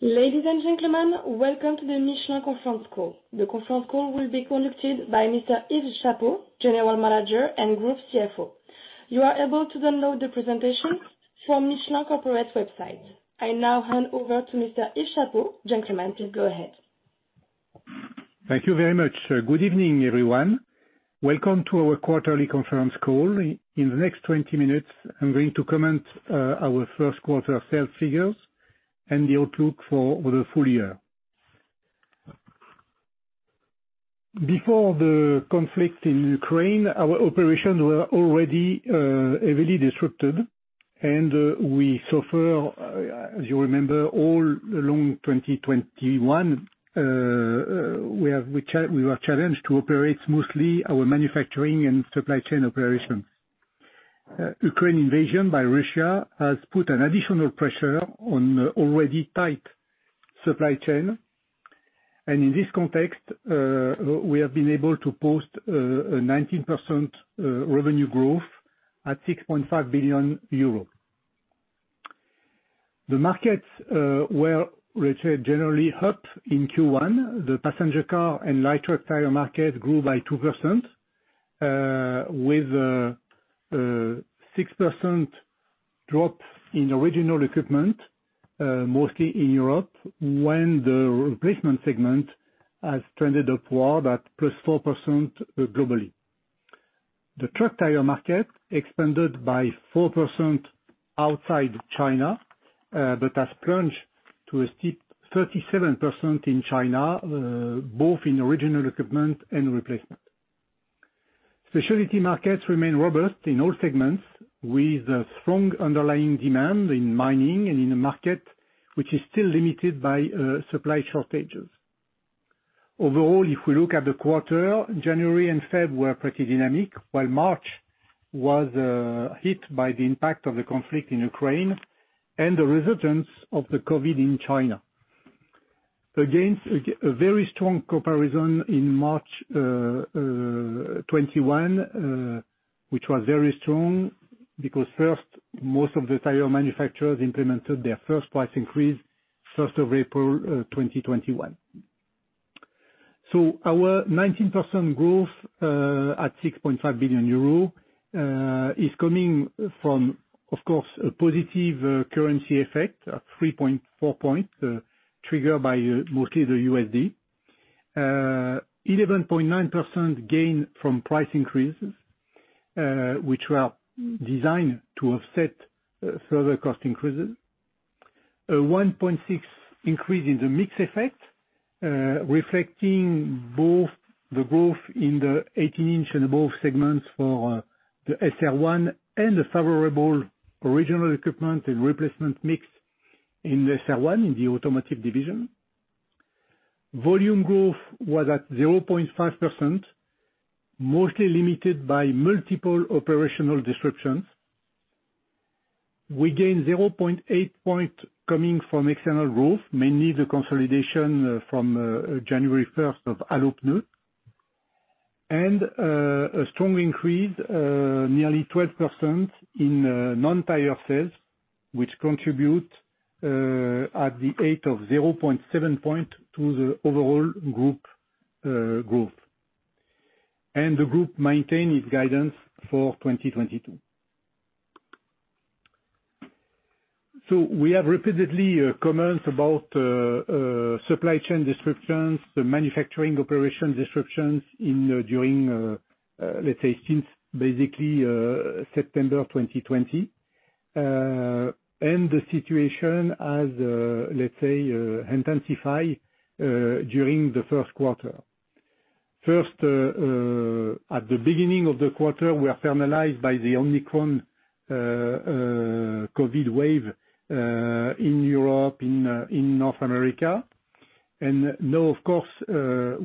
Ladies and gentlemen, welcome to the Michelin conference call. The conference call will be conducted by Mr. Yves Chapot, General Manager and Group CFO. You are able to download the presentation from Michelin corporate website. I now hand over to Mr. Yves Chapot. Gentlemen, please go ahead. Thank you very much. Good evening, everyone. Welcome to our quarterly conference call. In the next 20 minutes, I'm going to comment our first quarter sales figures and the outlook for the full year. Before the conflict in Ukraine, our operations were already heavily disrupted and we suffer, as you remember, all along 2021, we were challenged to operate smoothly our manufacturing and supply chain operations. Ukraine invasion by Russia has put an additional pressure on an already tight supply chain. In this context, we have been able to post a 19% revenue growth at 6.5 billion euros. The markets were, let's say, generally up in Q1. The passenger car and light truck tire market grew by 2%, with a 6% drop in original equipment, mostly in Europe, when the replacement segment has trended upward at +4% globally. The truck tire market expanded by 4% outside China, but has plunged to a steep -37% in China, both in original equipment and replacement. Specialty markets remain robust in all segments, with a strong underlying demand in mining and in a market which is still limited by supply shortages. Overall, if we look at the quarter, January and February were pretty dynamic, while March was hit by the impact of the conflict in Ukraine and the resurgence of the COVID in China. Against a very strong comparison in March 2021, which was very strong because most of the tire manufacturers implemented their first price increase as of April 2021. Our 19% growth at 6.5 billion euro is coming from, of course, a positive currency effect of 3.4 points triggered by mostly the USD, 11.9% gain from price increases which were designed to offset further cost increases, a 1.6% increase in the mix effect reflecting both the growth in the 18-inch and above segments for the SR1 and the favorable original equipment and replacement mix in the SR1 in the automotive division. Volume growth was at 0.5%, mostly limited by multiple operational disruptions. We gained 0.8 point coming from external growth, mainly the consolidation from January first of Allopneus. A strong increase nearly 12% in non-tire sales, which contribute at the rate of 0.7 point to the overall group growth. The group maintain its guidance for 2022. We have repeatedly commented about supply chain disruptions, the manufacturing operations disruptions during, let's say, since basically September 2020. The situation has, let's say, intensified during the first quarter. First, at the beginning of the quarter, we were impacted by the Omicron COVID wave in Europe, in North America. Now, of course,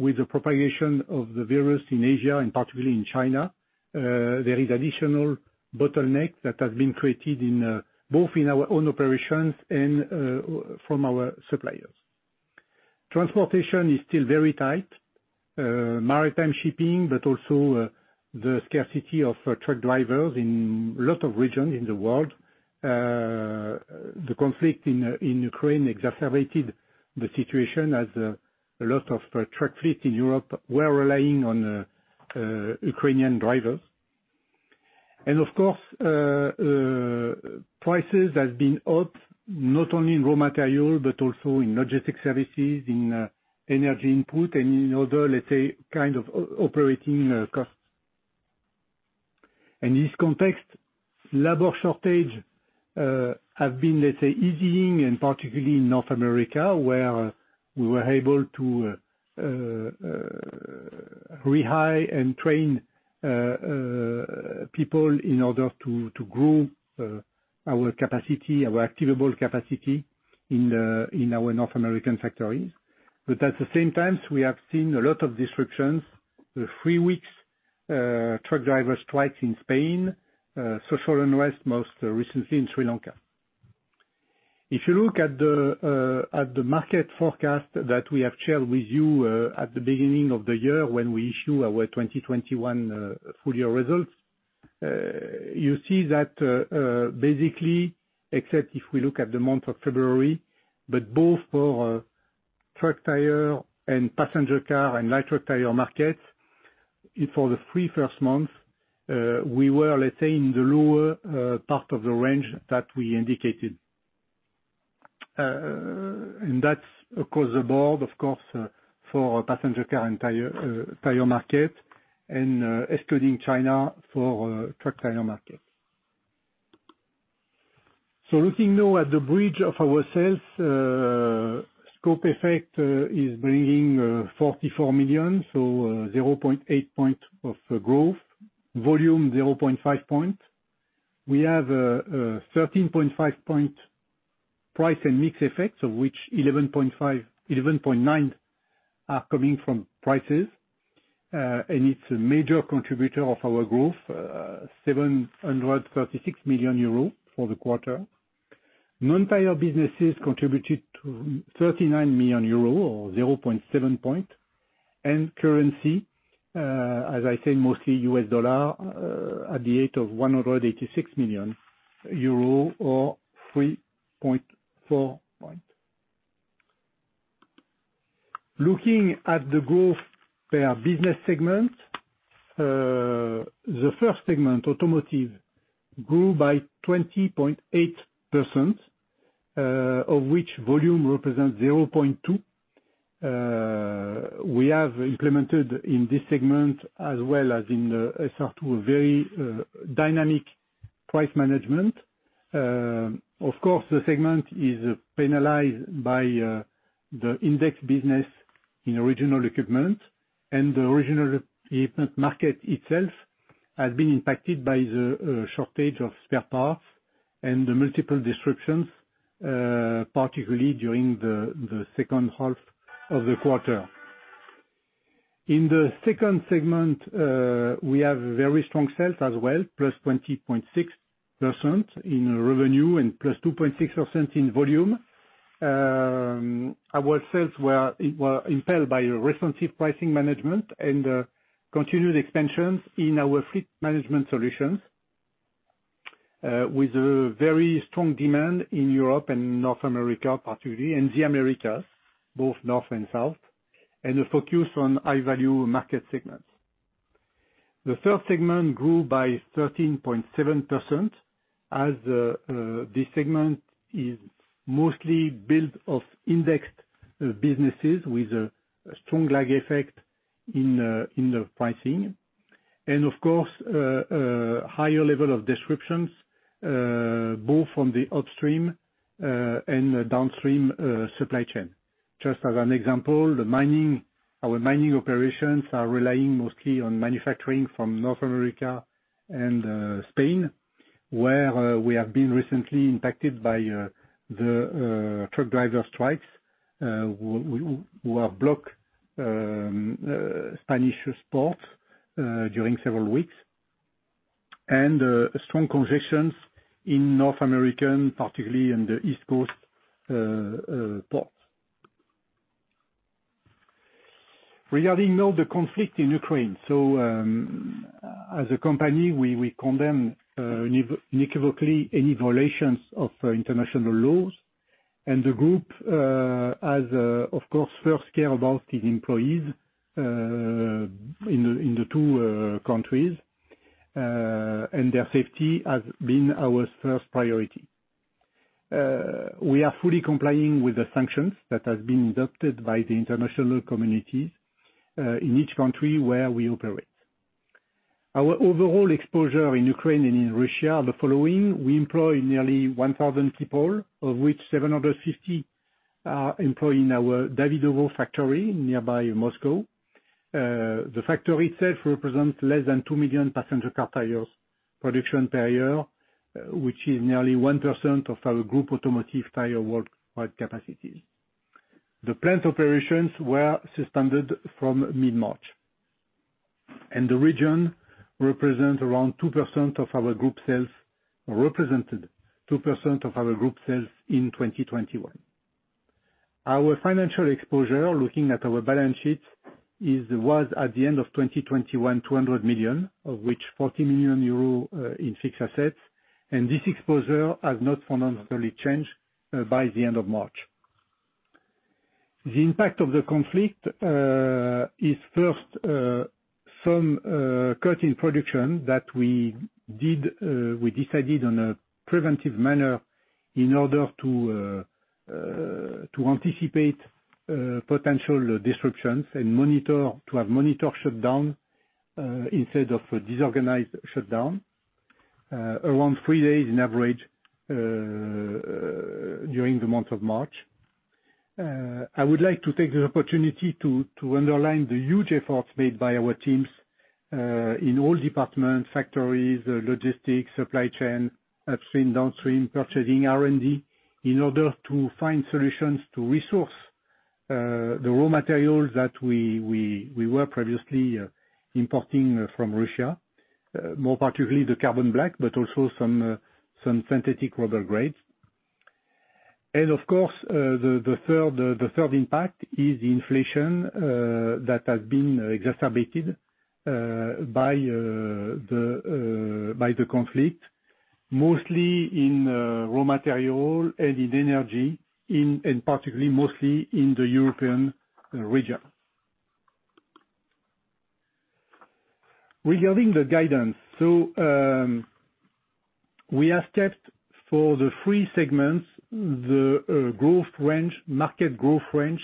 with the propagation of the virus in Asia and particularly in China, there is additional bottleneck that has been created in both our own operations and from our suppliers. Transportation is still very tight, maritime shipping but also the scarcity of truck drivers in a lot of regions in the world. The conflict in Ukraine exacerbated the situation as a lot of truck fleet in Europe were relying on Ukrainian drivers. Of course, prices have been up not only in raw material but also in logistic services, in energy input and in other, let's say, kind of operating costs. In this context, labor shortage have been, let's say, easing, and particularly in North America, where we were able to rehire and train people in order to grow our capacity, our available capacity in our North American factories. At the same time, we have seen a lot of disruptions, the three-week truck driver strikes in Spain, social unrest most recently in Sri Lanka. If you look at the market forecast that we have shared with you at the beginning of the year when we issue our 2021 full year results, you see that basically, except if we look at the month of February, but both for truck tire and passenger car and light truck tire markets, for the three first months, we were, let's say, in the lower part of the range that we indicated. That's across the board, of course, for passenger car tire market and excluding China for truck tire market. Looking now at the bridge of our sales, scope effect is bringing 44 million, so 0.8 points of growth. Volume, 0.5 points. We have a 13.5% price and mix effects, of which 11.9% are coming from prices. It's a major contributor of our growth, 736 million euro for the quarter. Non-tire businesses contributed to 39 million euro or 0.7%. Currency, as I said, mostly US dollar, at the rate of 186 million euro or 3.4%. Looking at the growth per business segment. The first segment, automotive, grew by 20.8%, of which volume represents 0.2%. We have implemented in this segment as well as in the SR2 a very dynamic price management. Of course, the segment is penalized by the index business in original equipment and the original equipment market itself has been impacted by the shortage of spare parts and the multiple disruptions, particularly during the second half of the quarter. In the second segment, we have very strong sales as well, +20.6% in revenue and +2.6% in volume. Our sales were impelled by responsive pricing management and continued expansions in our fleet management solutions, with a very strong demand in Europe and North America, particularly, and the Americas, both North and South, and a focus on high-value market segments. The third segment grew by 13.7%, as this segment is mostly built of indexed businesses with a strong lag effect in the pricing. Of course, higher level of disruptions both from the upstream and downstream supply chain. Just as an example, the mining, our mining operations are relying mostly on manufacturing from North America and Spain, where we have been recently impacted by the truck driver strikes, which have blocked Spanish port during several weeks. Strong congestions in North America, particularly in the East Coast ports. Regarding the conflict in Ukraine now. As a company, we condemn unequivocally any violations of international laws. The group has, of course, first care about its employees in the two countries and their safety has been our first priority. We are fully complying with the sanctions that have been adopted by the international communities in each country where we operate. Our overall exposure in Ukraine and in Russia are the following: We employ nearly 1,000 people, of which 750 are employed in our Davydovo factory nearby Moscow. The factory itself represents less than two million passenger car tires production per year, which is nearly 1% of our group automotive tire worldwide capacity. The plant operations were suspended from mid-March, and the region represents around 2% of our group sales, represented 2% of our group sales in 2021. Our financial exposure, looking at our balance sheets, was at the end of 2021, 200 million, of which 40 million euro in fixed assets. This exposure has not fundamentally changed by the end of March. The impact of the conflict is first from cutting production that we decided in a preventive manner in order to anticipate potential disruptions and to have a monitored shutdown instead of a disorganized shutdown, around three days on average during the month of March. I would like to take the opportunity to underline the huge efforts made by our teams in all departments, factories, logistics, supply chain, upstream, downstream, purchasing, R&D, in order to find solutions to source the raw materials that we were previously importing from Russia, more particularly the carbon black, but also some synthetic rubber grades. Of course, the third impact is inflation that has been exacerbated by the conflict, mostly in raw material and in energy, particularly mostly in the European region. Regarding the guidance. We are set for the three segments, the growth range, market growth range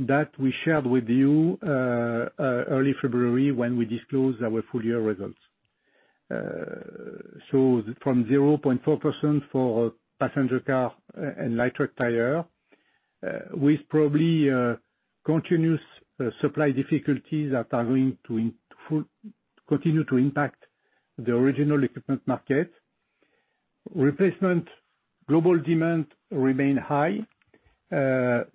that we shared with you early February when we disclosed our full-year results. From 0.4% for passenger car and light truck tire, with probably continuous supply difficulties that are going to continue to impact the original equipment market. Replacement global demand remains high,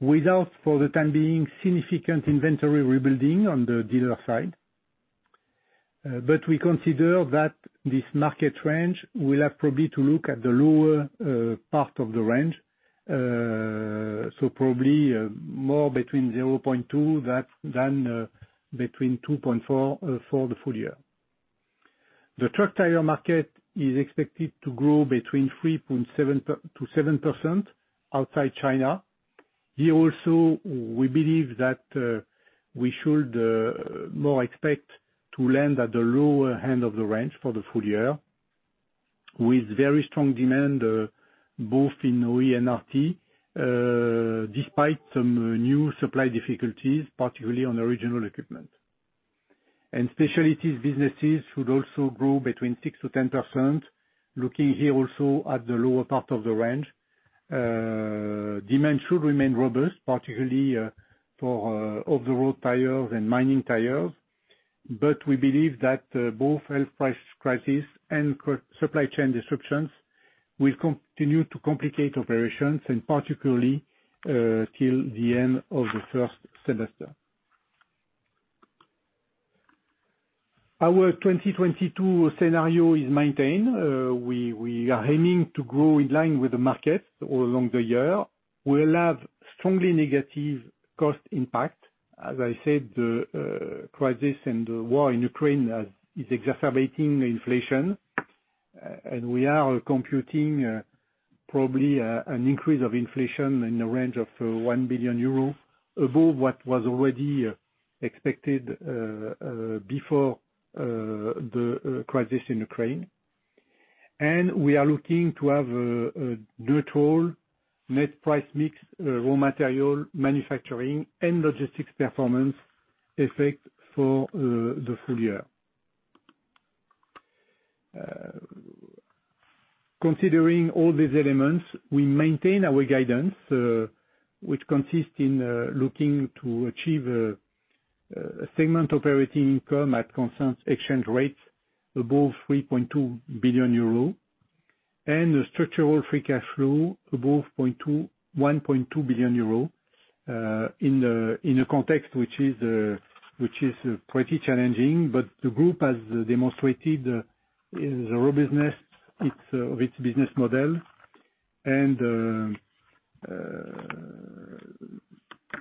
without, for the time being, significant inventory rebuilding on the dealer side. But we consider that this market range will have probably to look at the lower part of the range. Probably more between 0.2% than 2.4% for the full year. The truck tire market is expected to grow between 3.7% to 7% outside China. Here also, we believe that we should more or less expect to land at the lower end of the range for the full year, with very strong demand both in OE and RT despite some new supply difficulties, particularly on the original equipment. Specialties businesses should also grow between 6%-10%. Looking here also at the lower part of the range, demand should remain robust, particularly for off-the-road tires and mining tires. We believe that both oil price crisis and COVID supply chain disruptions will continue to complicate operations, and particularly till the end of the first semester. Our 2022 scenario is maintained. We are aiming to grow in line with the market all along the year. We will have strongly negative cost impact. As I said, the crisis and the war in Ukraine is exacerbating inflation. We are computing probably an increase of inflation in the range of 1 billion euro above what was already expected before the crisis in Ukraine. We are looking to have a neutral net price mix, raw material manufacturing and logistics performance effect for the full year. Considering all these elements, we maintain our guidance which consists in looking to achieve a segment operating income at constant exchange rates above 3.2 billion euro and a structural free cash flow above 1.2 billion euro in a context which is pretty challenging. The group has demonstrated the robustness of its business model.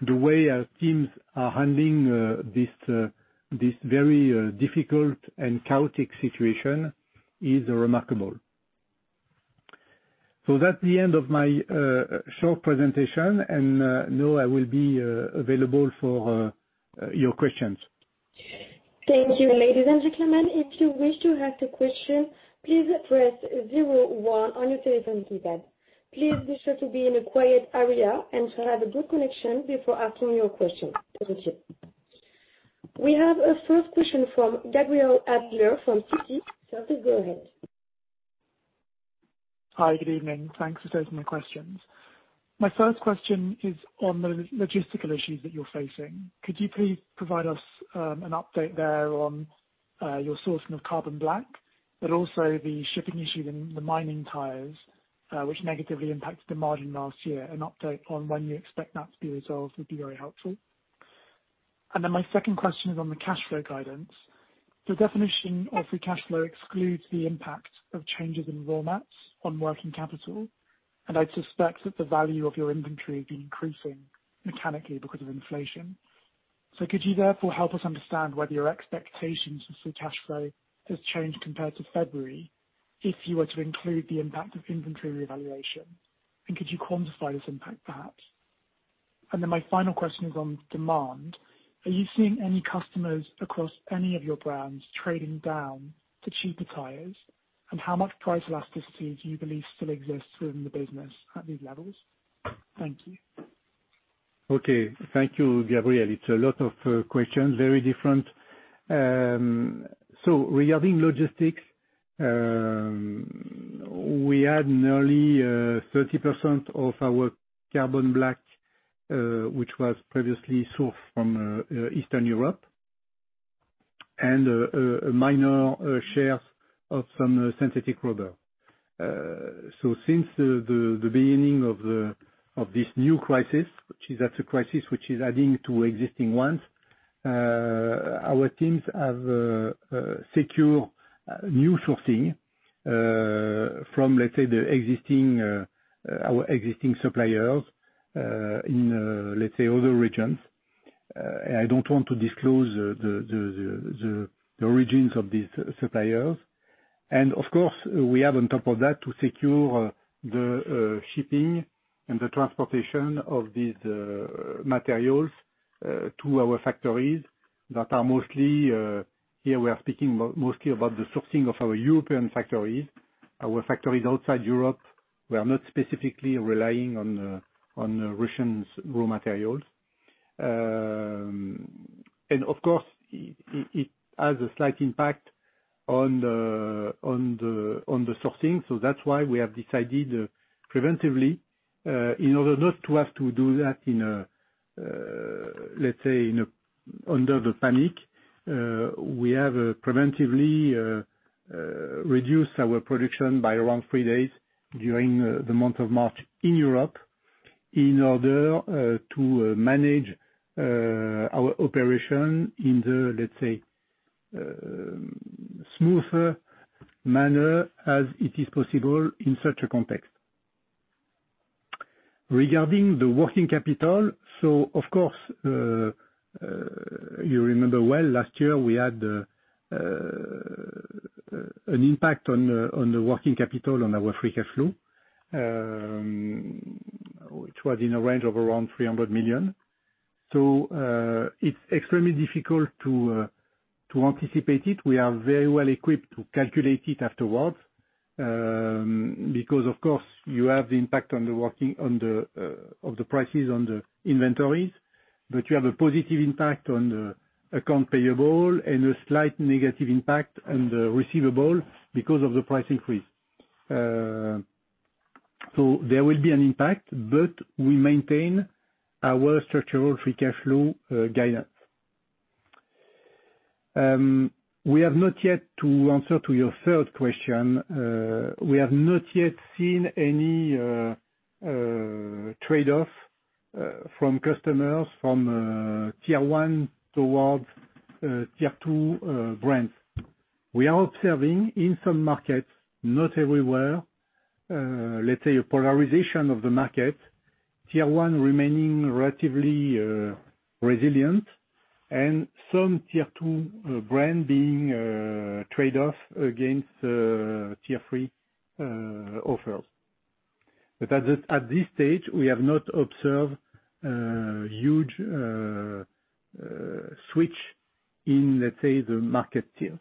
The way our teams are handling this very difficult and chaotic situation is remarkable. That's the end of my short presentation, and now I will be available for your questions. Thank you. Ladies and gentlemen, if you wish to ask a question, please press zero one on your telephone keypad. Please be sure to be in a quiet area and to have a good connection before asking your question. Thank you. We have a first question from Gabriel Adler from Citi. Sir, you go ahead. Hi. Good evening. Thanks for taking the questions. My first question is on the logistical issues that you're facing. Could you please provide us an update there on your sourcing of carbon black, but also the shipping issue in the mining tires, which negatively impacted the margin last year? An update on when you expect that to be resolved would be very helpful. My second question is on the cash flow guidance. The definition of free cash flow excludes the impact of changes in raw mats on working capital, and I'd suspect that the value of your inventory would be increasing mechanically because of inflation. Could you therefore help us understand whether your expectations of free cash flow has changed compared to February if you were to include the impact of inventory revaluation? Could you quantify this impact, perhaps? My final question is on demand. Are you seeing any customers across any of your brands trading down to cheaper tires? How much price elasticity do you believe still exists within the business at these levels? Thank you. Okay. Thank you, Gabriel. It's a lot of questions, very different. Regarding logistics, we add nearly 30% of our carbon black, which was previously sourced from Eastern Europe, and a minor share of some synthetic rubber. Since the beginning of this new crisis, which is a crisis which is adding to existing ones, our teams have secured new sourcing from, let's say, our existing suppliers in, let's say, other regions. I don't want to disclose the origins of these suppliers. Of course, we have on top of that to secure the shipping and the transportation of these materials to our factories that are mostly, here we are speaking mostly about the sourcing of our European factories. Our factories outside Europe, we are not specifically relying on Russian raw materials. It has a slight impact on the sourcing. That's why we have decided preventively, in order not to have to do that in a, let's say, under the panic, we have preventively reduced our production by around three days during the month of March in Europe in order to manage our operation in the, let's say, smoother manner as it is possible in such a context. Regarding the working capital, of course, you remember well last year we had an impact on the working capital on our free cash flow, which was in a range of around 300 million. It's extremely difficult to anticipate it. We are very well equipped to calculate it afterwards, because of course you have the impact of the prices on the inventories, but you have a positive impact on the accounts payable and a slight negative impact on the receivables because of the price increase. There will be an impact, but we maintain our structural free cash flow guidance. We have not yet to answer to your third question. We have not yet seen any trade-off from customers from tier one towards tier two brands. We are observing in some markets, not everywhere, let's say a polarization of the market, tier one remaining relatively resilient and some tier two brand being trade-off against tier three offers. At this stage, we have not observed a huge switch in, let's say, the market tier.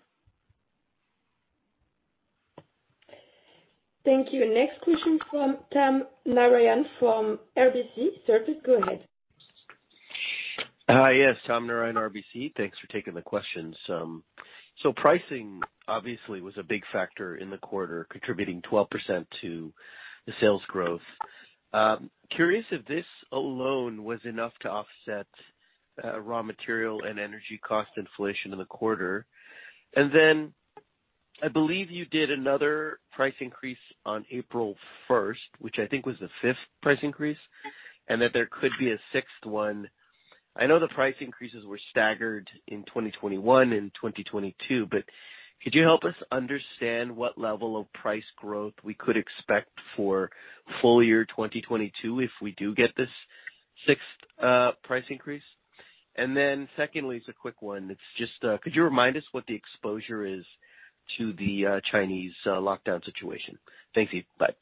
Thank you. Next question from Tom Narayan from RBC. Sir, please go ahead. Hi. Yes, Tom Narayan, RBC. Thanks for taking the questions. Pricing obviously was a big factor in the quarter, contributing 12% to the sales growth. Curious if this alone was enough to offset raw material and energy cost inflation in the quarter. I believe you did another price increase on April 1st, which I think was the fifth price increase, and that there could be a sixth one. I know the price increases were staggered in 2021 and 2022, but could you help us understand what level of price growth we could expect for full year 2022 if we do get this sixth price increase? Secondly, it's a quick one. It's just could you remind us what the exposure is to the Chinese lockdown situation? Thank you. Bye.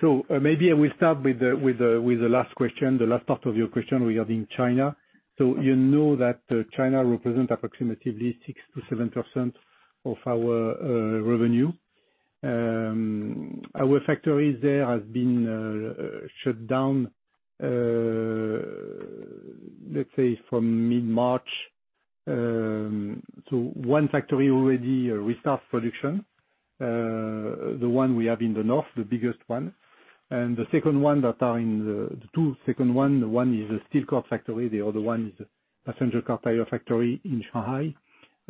Maybe I will start with the last question, the last part of your question regarding China. You know that China represents approximately 6%-7% of our revenue. Our factories there have been shut down, let's say from mid-March. One factory already restarted production, the one we have in the north, the biggest one. The second one that are in the. The two second one is a steel cord factory, the other one is a passenger car tire factory in Shanghai,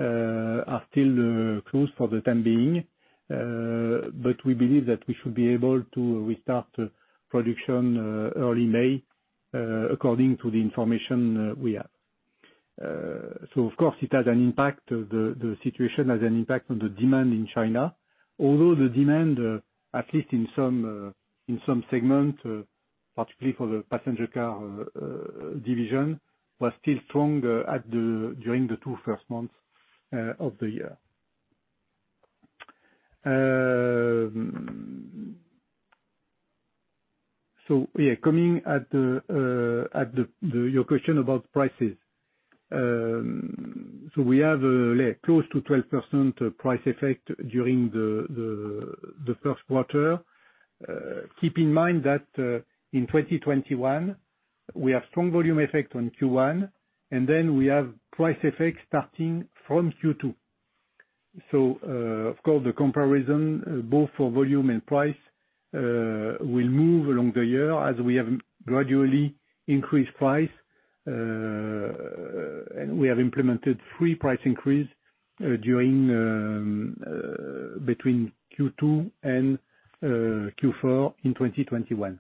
are still closed for the time being. But we believe that we should be able to restart production early May, according to the information we have. Of course, it has an impact, the situation has an impact on the demand in China. Although the demand at least in some segment, particularly for the passenger car division, was still strong during the two first months of the year. Your question about prices. We have close to 12% price effect during the first quarter. Keep in mind that in 2021, we have strong volume effect on Q1, and then we have price effect starting from Q2. Of course the comparison both for volume and price will move along the year as we have gradually increased price and we have implemented three price increase between Q2 and Q4 in 2021.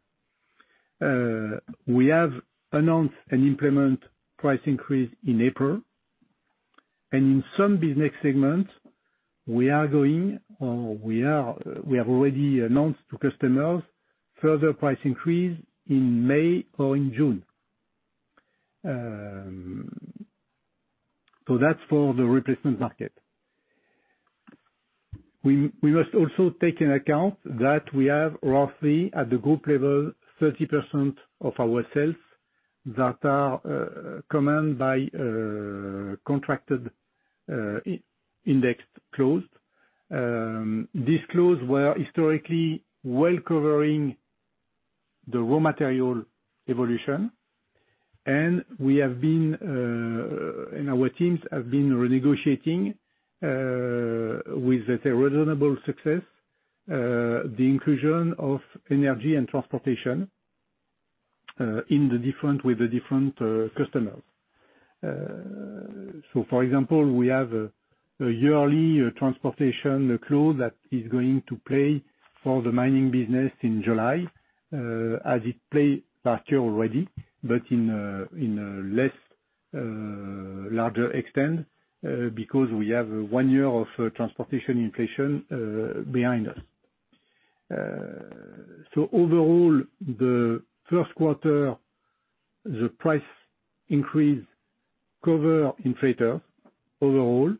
We have announced and implemented a price increase in April, and in some business segments we have already announced to customers further price increase in May or in June. That's for the replacement market. We must also take into account that we have roughly at the group level 30% of our sales that are commanded by contracted index clauses. These clauses were historically well covering the raw material evolution, and our teams have been renegotiating with a reasonable success the inclusion of energy and transportation with the different customers. For example, we have a yearly transportation clause that is going to play for the mining business in July, as it played last year already, but in a lesser extent, because we have one year of transportation inflation behind us. Overall, the first quarter, the price increases cover inflation overall,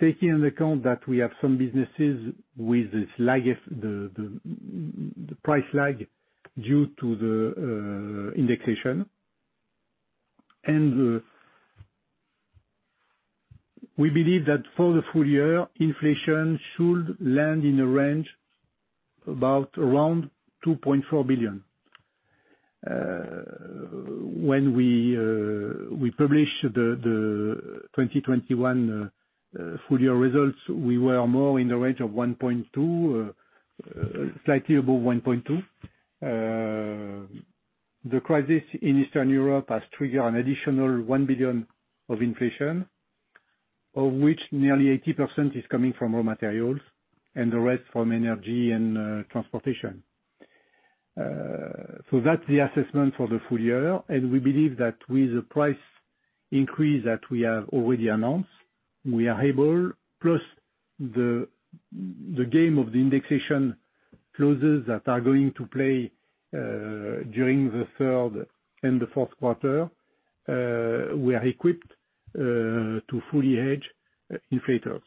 taking into account that we have some businesses with this lag, the price lag due to the indexation. We believe that for the full year, inflation should land in a range around 2.4 billion. When we publish the 2021 full year results, we were more in the range of 1.2 billion, slightly above 1.2 billion. The crisis in Eastern Europe has triggered an additional 1 billion of inflation, of which nearly 80% is coming from raw materials and the rest from energy and transportation. That's the assessment for the full year. We believe that with the price increase that we have already announced, we are able, plus the gain of the indexation clauses that are going to play during the third and the fourth quarter, we are equipped to fully hedge inflation.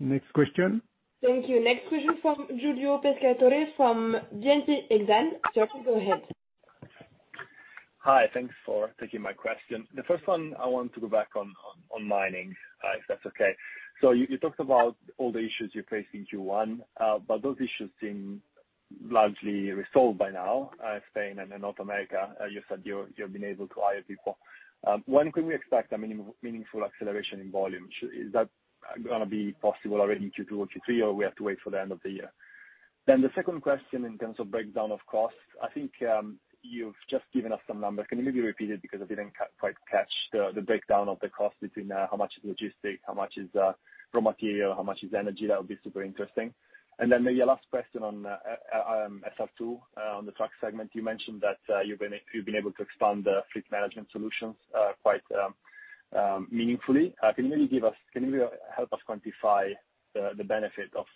Next question. Thank you. Next question from Giulio Pescatore, from Exane BNP Paribas. Sir, go ahead. Hi. Thanks for taking my question. The first one I want to go back on mining, if that's okay. You talked about all the issues you faced in Q1, but those issues seem largely resolved by now, in Spain and in North America. You said you're being able to hire people. When can we expect a meaningful acceleration in volume? Is that gonna be possible already in Q2 or Q3, or we have to wait for the end of the year? Then the second question in terms of breakdown of costs, I think, you've just given us some numbers. Can you maybe repeat it? Because I didn't quite catch the breakdown of the cost between how much is logistics, how much is raw material, how much is energy. That would be super interesting. Maybe a last question on SR2. On the truck segment, you mentioned that you've been able to expand the fleet management solutions quite meaningfully. Can you maybe help us quantify the benefit of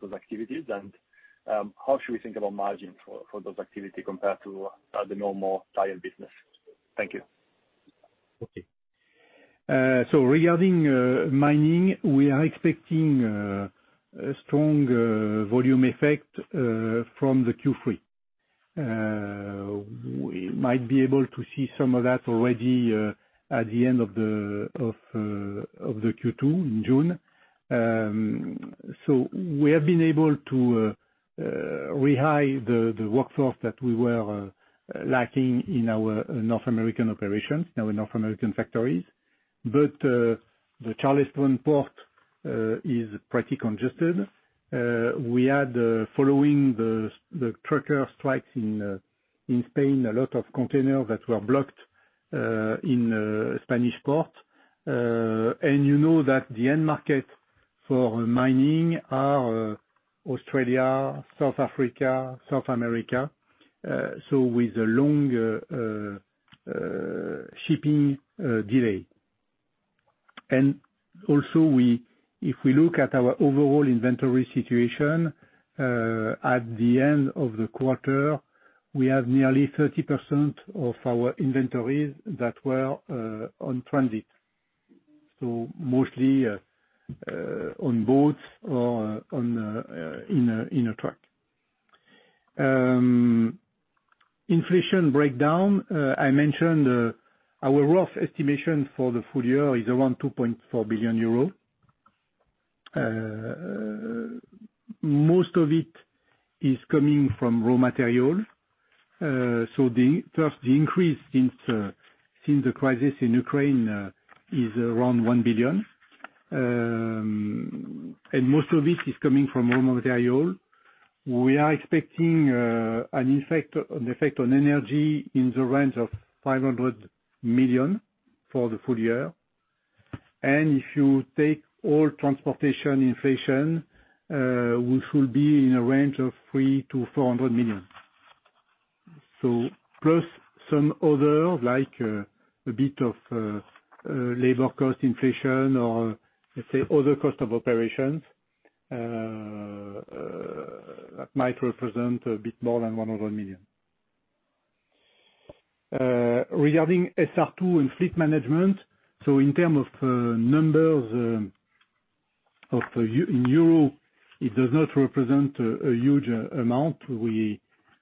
those activities? How should we think about margin for those activity compared to the normal tire business? Thank you. Okay. Regarding mining, we are expecting a strong volume effect from the Q3. We might be able to see some of that already at the end of the Q2 in June. We have been able to rehire the workforce that we were lacking in our North American operations, our North American factories. The Charleston port is pretty congested. We had, following the trucker strikes in Spain, a lot of containers that were blocked in a Spanish port. You know that the end market for mining are Australia, South Africa, South America. With a long shipping delay. If we look at our overall inventory situation, at the end of the quarter, we have nearly 30% of our inventories that were in transit, so mostly on boats or in a truck. Inflation breakdown. I mentioned our rough estimation for the full year is around 2.4 billion euro. Most of it is coming from raw material. First, the increase since the crisis in Ukraine is around 1 billion. Most of this is coming from raw material. We are expecting an effect on energy in the range of 500 million for the full year. If you take all transportation inflation, we should be in a range of 300 million-400 million. Plus some other, like a bit of labor cost inflation or, let's say, other cost of operations might represent a bit more than 100 million. Regarding SR2 and fleet management, in term of numbers of the in euros, it does not represent a huge amount.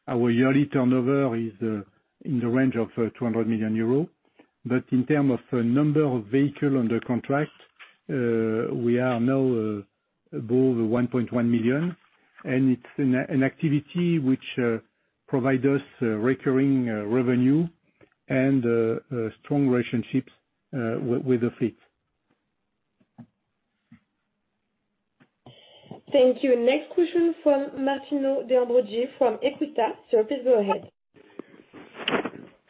Our yearly turnover is in the range of 200 million euros. But in term of number of vehicle under contract, we are now above 1.1 million. It's an activity which provide us recurring revenue and strong relationships with the fleet. Thank you. Next question from Martino De Ambroggi from Equita. Sir, please go ahead.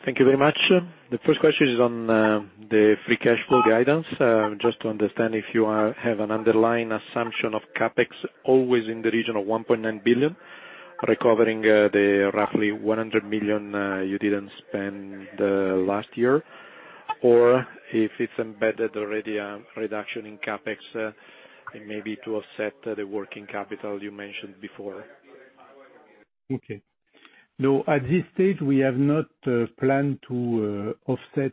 Thank you very much. The first question is on the free cash flow guidance. Just to understand if you have an underlying assumption of CapEx always in the region of 1.9 billion recovering the roughly 100 million you didn't spend last year, or if it's embedded already a reduction in CapEx and maybe to offset the working capital you mentioned before. Okay. No, at this stage, we have not planned to offset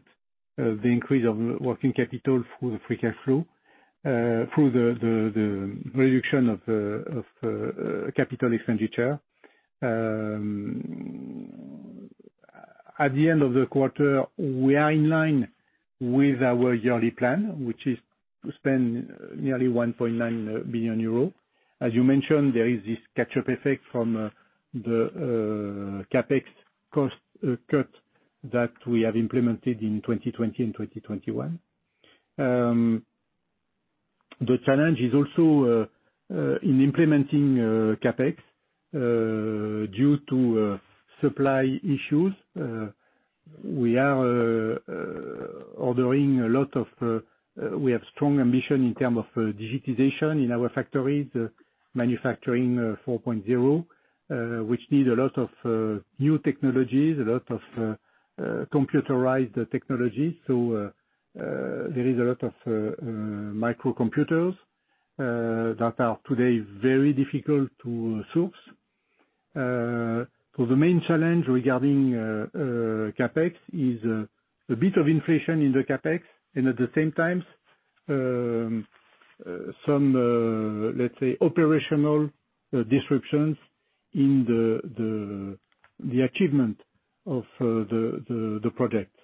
the increase of working capital through the free cash flow, through the reduction of capital expenditure. At the end of the quarter, we are in line with our yearly plan, which is to spend nearly 1.9 billion euros. As you mentioned, there is this catch-up effect from the CapEx cost cut that we have implemented in 2020 and 2021. The challenge is also in implementing CapEx due to supply issues. We have strong ambition in terms of digitization in our factories, Manufacturing 4.0, which need a lot of new technologies, a lot of computerized technology. There is a lot of microcontrollers that are today very difficult to source. The main challenge regarding CapEx is a bit of inflation in the CapEx and at the same time some let's say operational disruptions in the achievement of the project.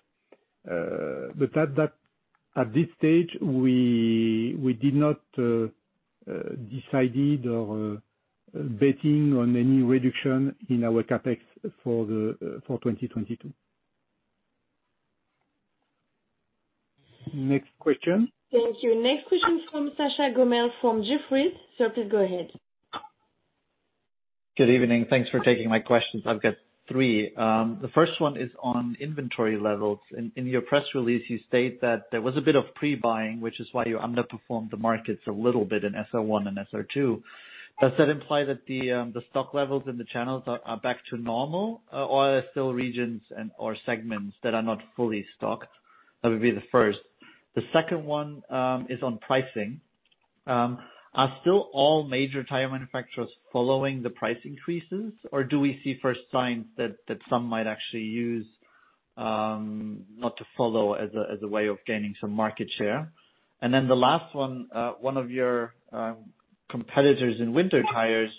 At this stage, we did not decided or betting on any reduction in our CapEx for 2022. Next question. Thank you. Next question from Sascha Gommel from Jefferies. Sir, please go ahead. Good evening. Thanks for taking my questions. I've got three. The first one is on inventory levels. In your press release, you state that there was a bit of pre-buying, which is why you underperformed the markets a little bit in SR1 and SR2. Does that imply that the stock levels in the channels are back to normal, or are there still regions and/or segments that are not fully stocked? That would be the first. The second one is on pricing. Are still all major tire manufacturers following the price increases, or do we see first signs that some might actually use not to follow as a way of gaining some market share? The last one of your competitors in winter tires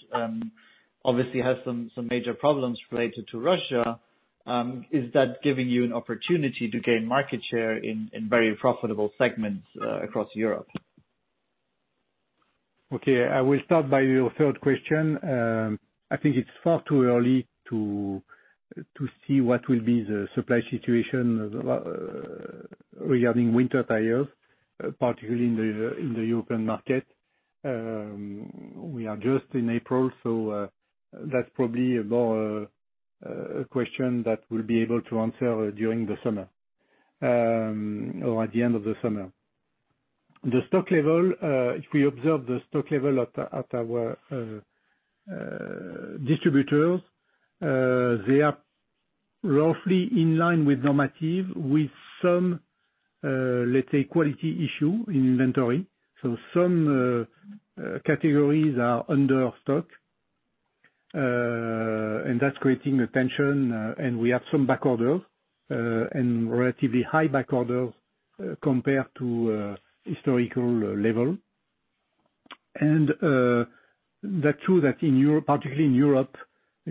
obviously has some major problems related to Russia. Is that giving you an opportunity to gain market share in very profitable segments across Europe? Okay. I will start by your third question. I think it's far too early to see what will be the supply situation regarding winter tires, particularly in the European market. We are just in April, so that's probably more a question that we'll be able to answer during the summer or at the end of the summer. The stock level, if we observe the stock level at our distributors, they are roughly in line with normative, with some let's say quality issue in inventory. Some categories are under stock and that's creating a tension. We have some backorders and relatively high backorders compared to historical level. That's true that in Europe, particularly in Europe,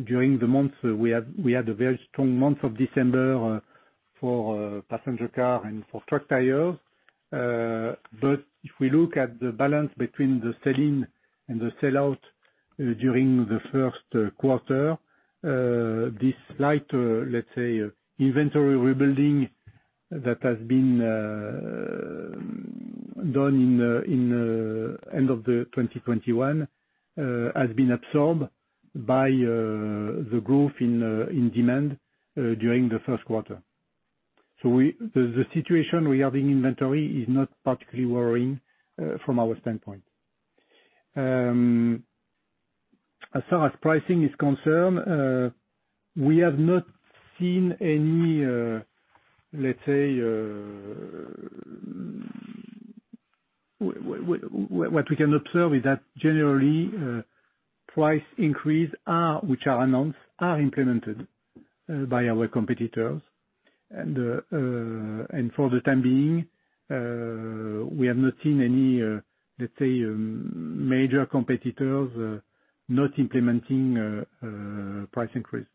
during the months, we had a very strong month of December for passenger car and truck tires. If we look at the balance between the selling and the sellout during the first quarter, this slight, let's say, inventory rebuilding that has been done in end of 2021 has been absorbed by the growth in demand during the first quarter. The situation regarding inventory is not particularly worrying from our standpoint. As far as pricing is concerned, we have not seen any, let's say, what we can observe is that generally, price increases which are announced are implemented by our competitors. For the time being, we have not seen any, let's say, major competitors not implementing price increase.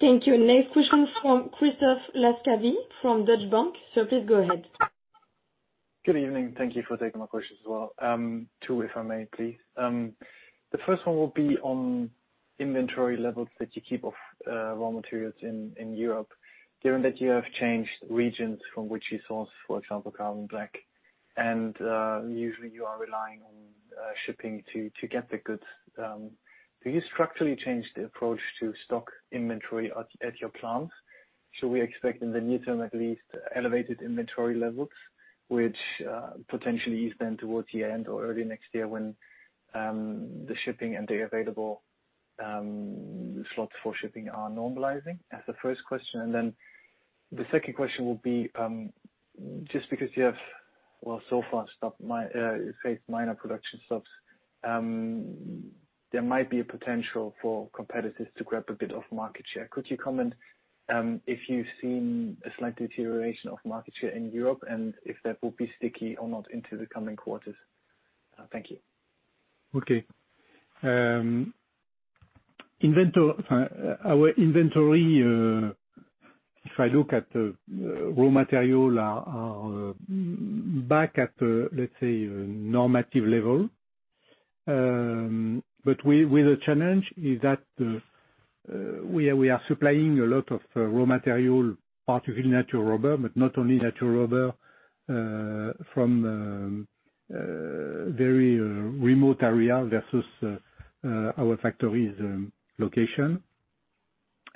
Thank you. Next question from Christoph Laskawi from Deutsche Bank. Please go ahead. Good evening. Thank you for taking my questions as well. Two, if I may, please. The first one will be on inventory levels that you keep of raw materials in Europe. Given that you have changed regions from which you source, for example, carbon black, and usually you are relying on shipping to get the goods, do you structurally change the approach to stock inventory at your plant? Shall we expect in the near term, at least, elevated inventory levels, which potentially ease then towards the end or early next year when the shipping and the available slots for shipping are normalizing? That's the first question. The second question would be, just because you have, well, so far, you face minor production stops, there might be a potential for competitors to grab a bit of market share. Could you comment if you've seen a slight deterioration of market share in Europe, and if that will be sticky or not into the coming quarters? Thank you. Okay. Our inventory, if I look at the raw material, are back at, let's say, normative level. But the challenge is that we are supplying a lot of raw material, particularly natural rubber, but not only natural rubber, from very remote area versus our factories location.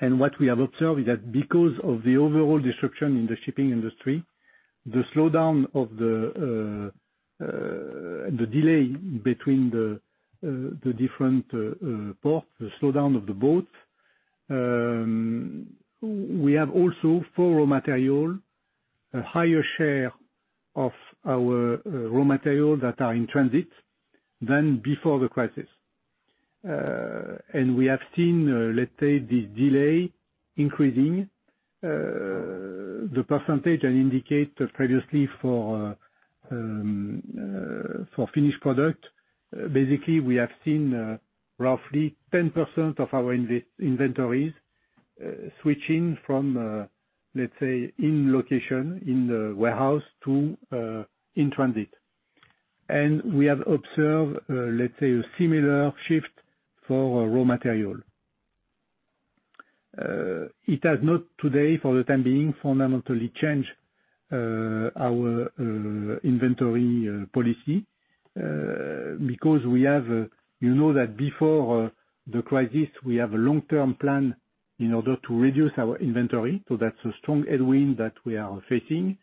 What we have observed is that because of the overall disruption in the shipping industry, the slowdown of the delay between the different ports, the slowdown of the boats, we have also, for raw material, a higher share of our raw material that are in transit than before the crisis. We have seen, let's say, the delay increasing, the percentage I indicate previously for finished product. Basically, we have seen roughly 10% of our inventories switching from, let's say, in location in the warehouse to in transit. We have observed, let's say, a similar shift for raw material. It has not today, for the time being, fundamentally changed our inventory policy because we have, you know that before the crisis, we have a long-term plan in order to reduce our inventory. That's a strong headwind that we are facing.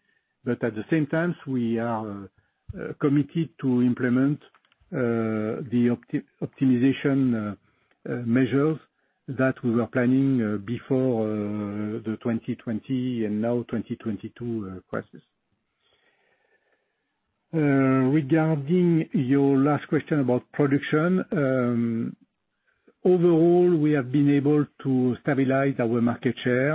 At the same time, we are committed to implement the optimization measures that we were planning before the 2020 and now 2022 crisis. Regarding your last question about production, overall, we have been able to stabilize our market share.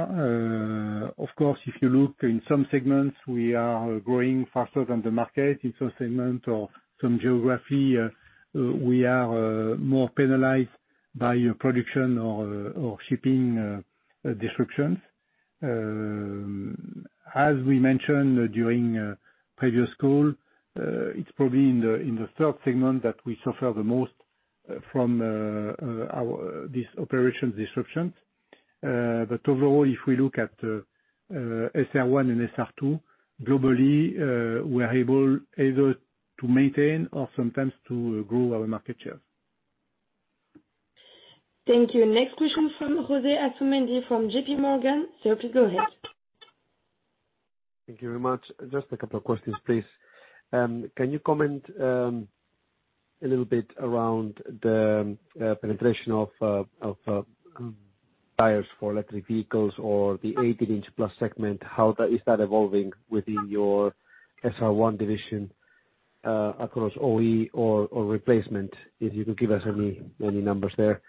Of course, if you look in some segments, we are growing faster than the market. In some segment or some geography, we are more penalized by production or shipping disruptions. As we mentioned during a previous call, it's probably in the third segment that we suffer the most from our operations disruptions. Overall, if we look at SR1 and SR2, globally, we are able either to maintain or sometimes to grow our market share. Thank you. Next question from Jose Asumendi from J.P. Morgan. Please go ahead. Thank you very much. Just a couple of questions, please. Can you comment a little bit around the penetration of tires for electric vehicles or the 18-inch plus segment? How is that evolving within your SR1 division, across OE or replacement? If you can give us any numbers there.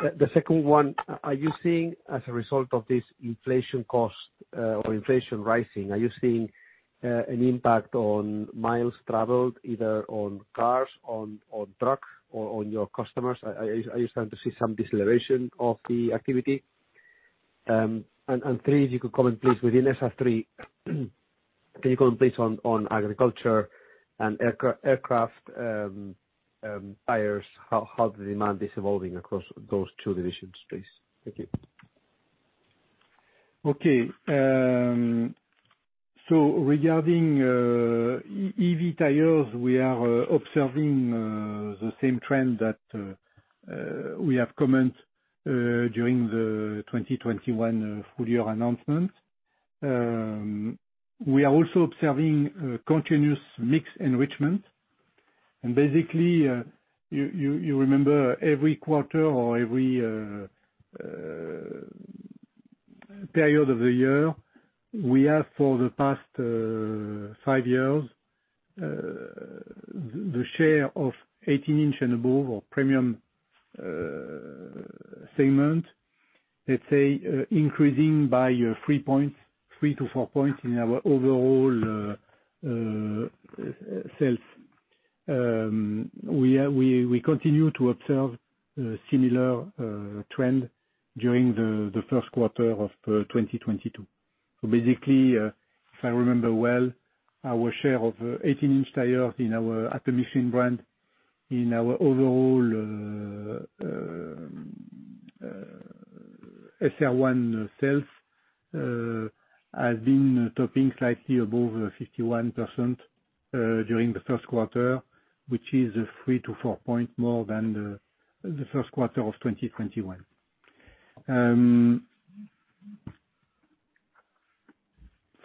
The second one, are you seeing, as a result of this inflation cost or inflation rising, an impact on miles traveled either on cars, on trucks or on your customers? Are you starting to see some deceleration of the activity? Three, if you could comment, please, within SR3, can you comment please on agricultural and aircraft tires, how the demand is evolving across those two divisions, please? Thank you. Regarding EV tires, we are observing the same trend that we have commented during the 2021 full year announcement. We are also observing a continuous mix enrichment. Basically, you remember every quarter or every period of the year, we have for the past 5 years the share of 18-inch and above or premium segment, let's say, increasing by roughly 3 points, 3-4 points in our overall sales. We continue to observe a similar trend during the first quarter of 2022. Basically, if I remember well, our share of 18-inch tires at the Michelin brand in our overall SR1 sales has been topping slightly above 51%, during the first quarter, which is 3-4 points more than the first quarter of 2021.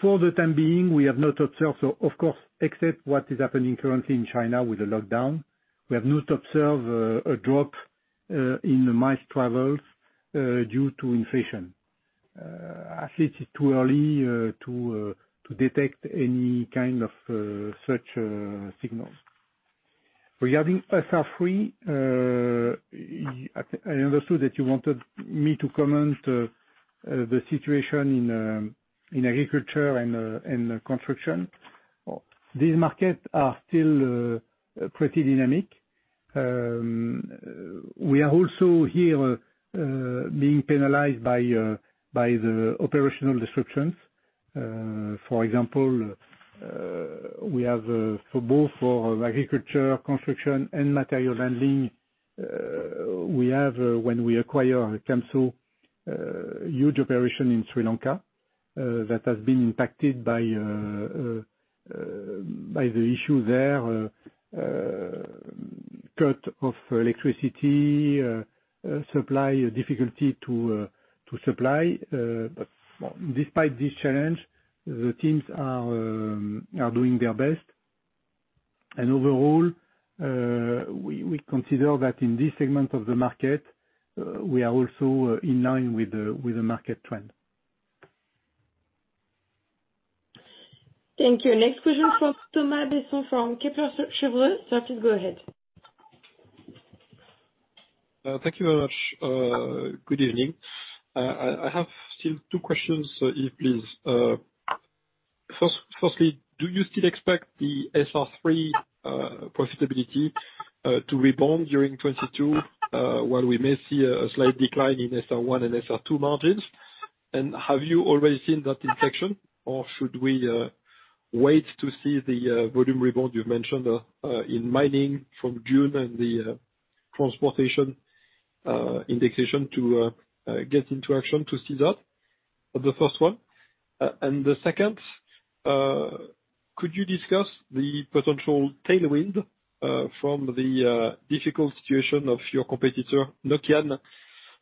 For the time being, we have not observed. Of course, except what is happening currently in China with the lockdown, we have not observed a drop in miles traveled due to inflation. Actually, it's too early to detect any kind of such signals. Regarding SR3, I understood that you wanted me to comment the situation in agriculture and construction. These markets are still pretty dynamic. We are also here being penalized by the operational disruptions. For example, we have for both agricultural, construction and material handling when we acquired Camso huge operation in Sri Lanka that has been impacted by the issue there, cut off electricity supply, difficulty to supply. Despite this challenge, the teams are doing their best. Overall, we consider that in this segment of the market we are also in line with the market trend. Thank you. Next question from Thomas Besson from Kepler Cheuvreux. Sir, please go ahead. Thank you very much. Good evening. I have still two questions, Yves, please. Firstly, do you still expect the SR3 profitability to rebound during 2022 while we may see a slight decline in SR1 and SR2 margins? Have you already seen that inflection, or should we wait to see the volume rebound you've mentioned in mining from June and the transportation indication to get into action to see that? The first one. The second, could you discuss the potential tailwind from the difficult situation of your competitor Nokian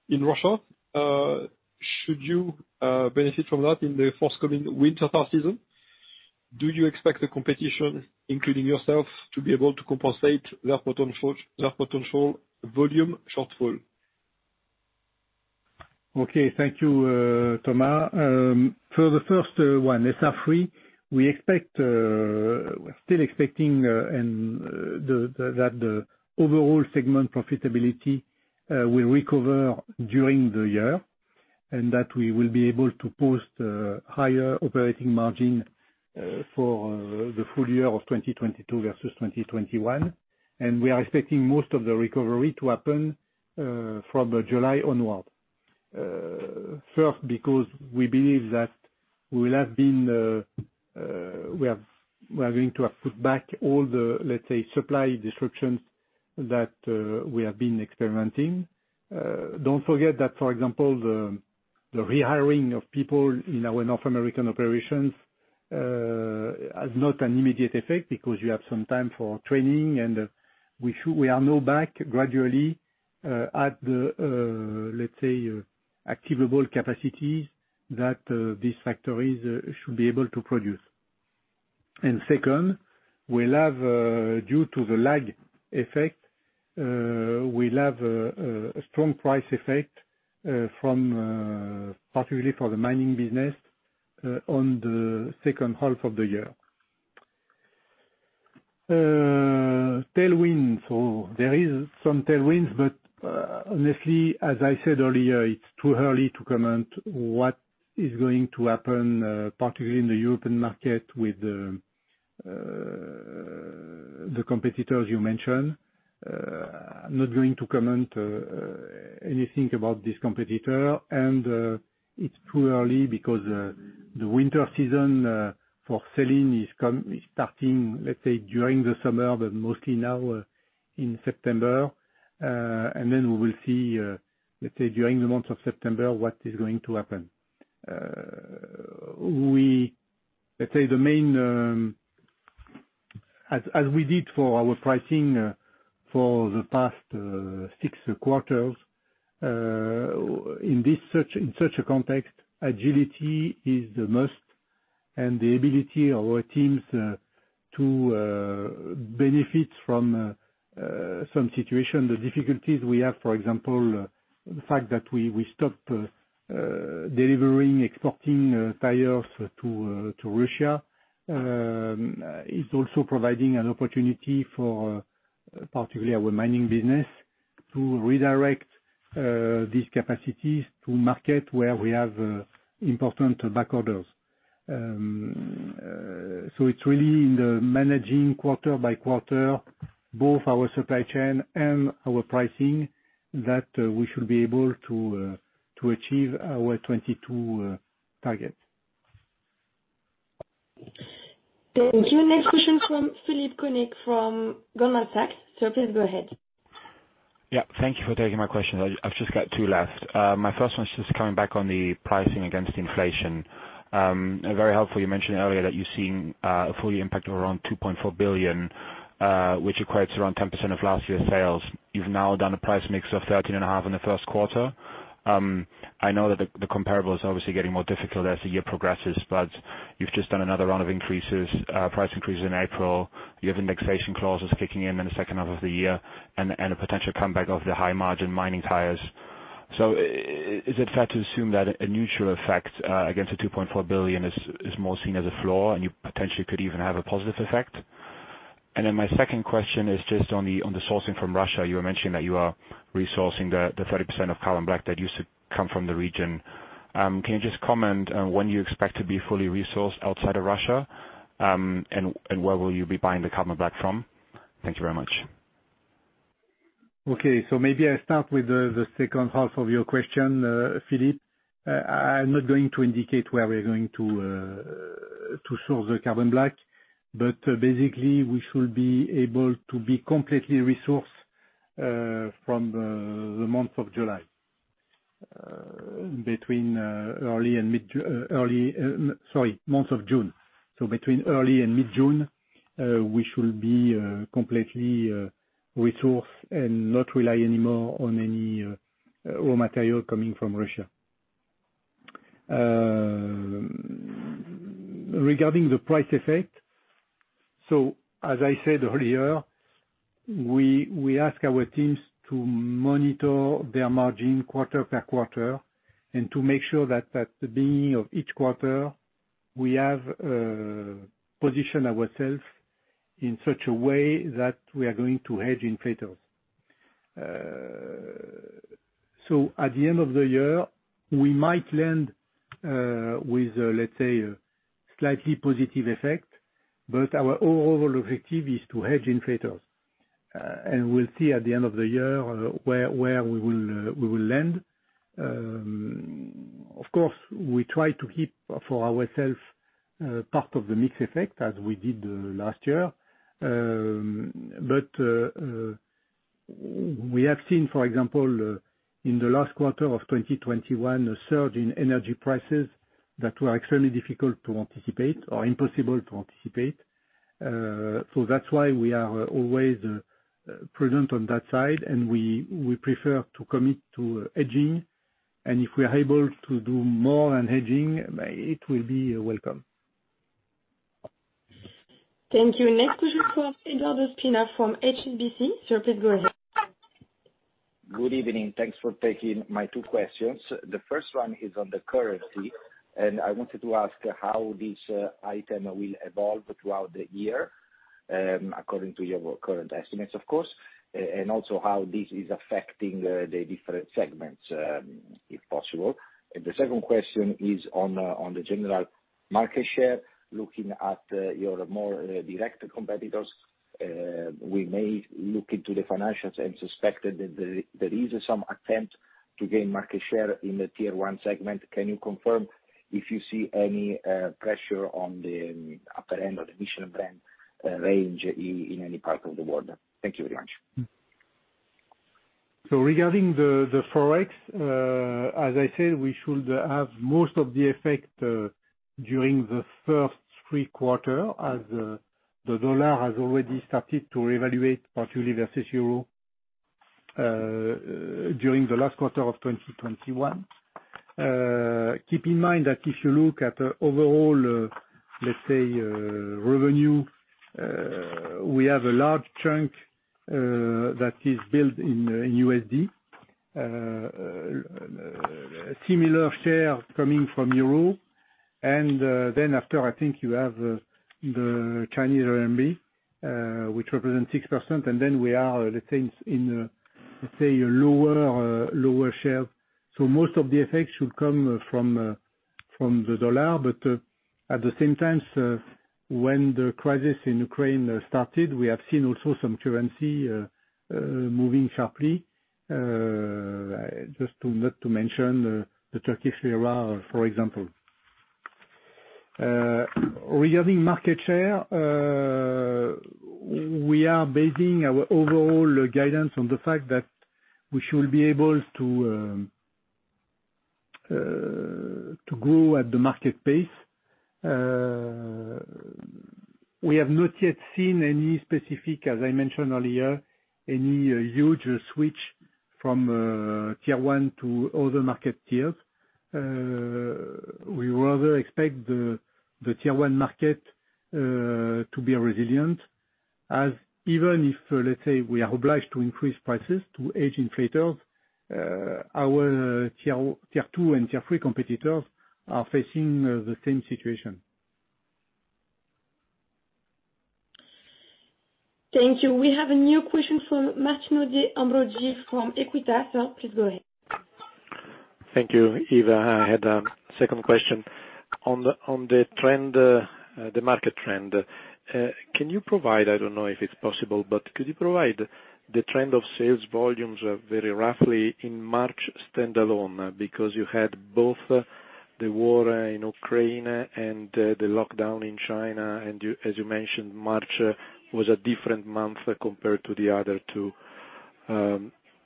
in Russia? Should you benefit from that in the forthcoming winter tire season? Do you expect the competition, including yourself, to be able to compensate their potential volume shortfall? Okay. Thank you, Thomas. For the first one, SR3, we're still expecting that the overall segment profitability will recover during the year, and that we will be able to post higher operating margin for the full year of 2022 versus 2021. We are expecting most of the recovery to happen from July onward. First, because we believe that we are going to have put back all the, let's say, supply disruptions that we have been experiencing. Don't forget that, for example, the rehiring of people in our North American operations has not an immediate effect because you have some time for training and we are now back gradually at the, let's say, available capacities that these factories should be able to produce. Second, we'll have due to the lag effect a strong price effect from, particularly for the mining business, on the second half of the year. Tailwinds. There are some tailwinds, but honestly, as I said earlier, it's too early to comment what is going to happen, particularly in the European market with the competitors you mentioned. I'm not going to comment anything about this competitor, and it's too early because the winter season for selling is starting, let's say, during the summer, but mostly now in September. Then we will see, let's say, during the month of September what is going to happen. Let's say the main. As we did for our pricing for the past six quarters, in such a context, agility is the must and the ability of our teams to benefit from some situation. The difficulties we have, for example, the fact that we stopped delivering, exporting tires to Russia, is also providing an opportunity for particularly our mining business to redirect these capacities to market where we have important back orders. It's really in the managing quarter by quarter, both our supply chain and our pricing that we should be able to achieve our 2022 target. Thank you. Next question from Philipp Konig from Goldman Sachs. Sir, please go ahead. Yeah. Thank you for taking my question. I've just got two left. My first one is just coming back on the pricing against inflation. Very helpful, you mentioned earlier that you're seeing a full year impact of around 2.4 billion, which equates around 10% of last year's sales. You've now done a price mix of 13.5% in the first quarter. I know that the comparable is obviously getting more difficult as the year progresses, but you've just done another round of increases, price increases in April. You have indexation clauses kicking in in the second half of the year, and a potential comeback of the high margin mining tires. Is it fair to assume that a neutral effect against the 2.4 billion is more seen as a flaw and you potentially could even have a positive effect? My second question is just on the sourcing from Russia. You were mentioning that you are resourcing the 30% of carbon black that used to come from the region. Can you just comment on when you expect to be fully resourced outside of Russia, and where will you be buying the carbon black from? Thank you very much. Okay. Maybe I start with the second half of your question, Philipp. I'm not going to indicate where we're going to source the carbon black, but basically, we should be able to be completely resourced between early and mid-June. We should be completely resourced and not rely anymore on any raw material coming from Russia. Regarding the price effect, as I said earlier, we ask our teams to monitor their margin quarter by quarter and to make sure that at the beginning of each quarter, we have positioned ourselves in such a way that we are going to hedge inflation. At the end of the year, we might land with, let's say, a slightly positive effect, but our overall objective is to hedge inflation. We'll see at the end of the year where we will land. Of course, we try to keep for ourselves part of the mix effect as we did last year. But we have seen, for example, in the last quarter of 2021, a surge in energy prices that were extremely difficult to anticipate or impossible to anticipate. That's why we are always present on that side, and we prefer to commit to hedging. If we're able to do more unhedging, it will be welcome. Thank you. Next question from Edoardo Spina from HSBC. Sir, please go ahead. Good evening. Thanks for taking my two questions. The first one is on the currency, and I wanted to ask how this item will evolve throughout the year, according to your current estimates, of course. Also how this is affecting the different segments, if possible. The second question is on the general market share. Looking at your more direct competitors, we may look into the financials and suspect that there is some attempt to gain market share in the tier one segment. Can you confirm if you see any pressure on the upper end of the Michelin brand range in any part of the world? Thank you very much. Regarding the Forex, as I said, we should have most of the effect during the first three quarters as the dollar has already started to revalue, particularly versus euro, during the last quarter of 2021. Keep in mind that if you look at overall, let's say, revenue, we have a large chunk that is built in USD, similar share coming from euro. Then after, I think you have the Chinese RMB, which represents 6%, and then we are, let's say, in a lower share. Most of the effects should come from the dollar. At the same time, when the crisis in Ukraine started, we have seen also some currency moving sharply. Not to mention the Turkish lira, for example. Regarding market share, we are basing our overall guidance on the fact that we should be able to grow at the market pace. We have not yet seen any specific, as I mentioned earlier, huge switch from tier one to other market tiers. We rather expect the tier one market to be resilient, as even if, let's say, we are obliged to increase prices to hedge inflation, our tier two and tier three competitors are facing the same situation. Thank you. We have a new question from Martino De Ambroggi from Equita. Sir, please go ahead. Thank you, Yves Chapot. I had a second question. On the market trend, can you provide the trend of sales volumes very roughly in March standalone? Because you had both the war in Ukraine and the lockdown in China, and as you mentioned, March was a different month compared to the other two.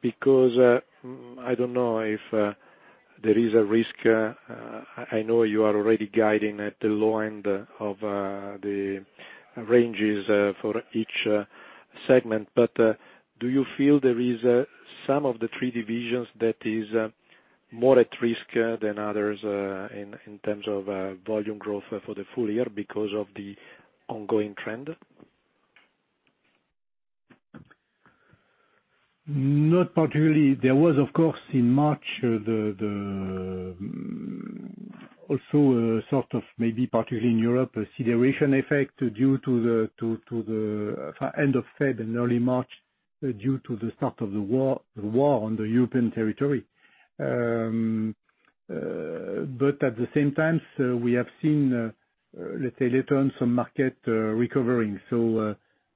Because I don't know if there is a risk. I know you are already guiding at the low end of the ranges for each segment. Do you feel there is some of the three divisions that is more at risk than others in terms of volume growth for the full year because of the ongoing trend? Not particularly. There was, of course, in March, also a sort of maybe, particularly in Europe, a consideration effect due to the end of Feb and early March due to the start of the war on the European territory. At the same time, we have seen, let's say, later on some market recovering.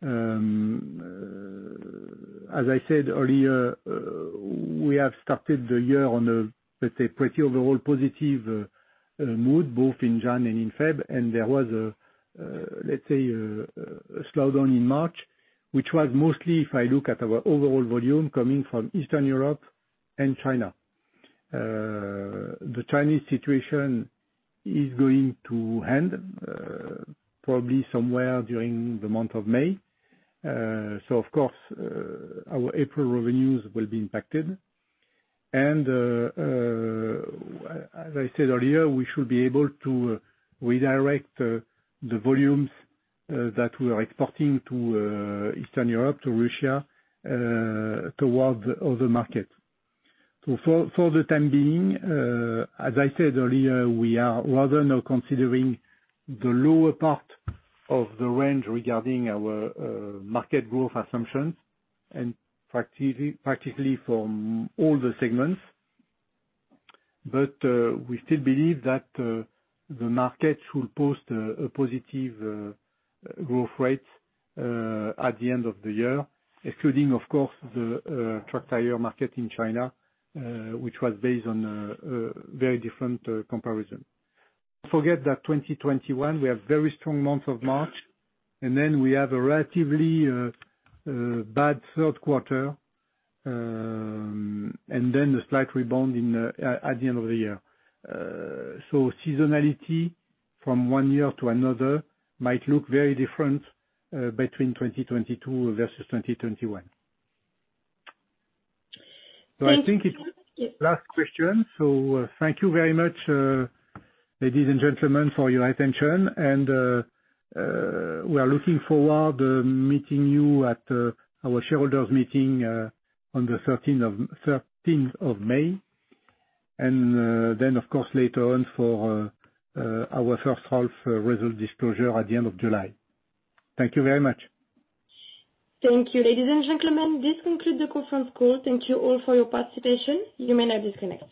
As I said earlier, we have started the year on a, let's say, pretty overall positive mood, both in Jan and in Feb. There was a, let's say, slowdown in March, which was mostly, if I look at our overall volume, coming from Eastern Europe and China. The Chinese situation is going to end, probably somewhere during the month of May. Of course, our April revenues will be impacted. As I said earlier, we should be able to redirect the volumes that we are exporting to Eastern Europe, to Russia, towards other markets. For the time being, as I said earlier, we are rather now considering the lower part of the range regarding our market growth assumptions, and practically from all the segments. We still believe that the market should post a positive growth rate at the end of the year, excluding of course the truck tire market in China, which was based on a very different comparison. Forget that 2021, we have very strong month of March, and then we have a relatively bad third quarter, and then a slight rebound in at the end of the year. So seasonality from one year to another might look very different between 2022 versus 2021. Thank you. I think it's last question. Thank you very much, ladies and gentlemen, for your attention. We are looking forward meeting you at our shareholders' meeting on the 13th of May. Of course, later on for our first half result disclosure at the end of July. Thank you very much. Thank you. Ladies and gentlemen, this concludes the conference call. Thank you all for your participation. You may now disconnect.